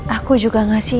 aku juga ngasih dia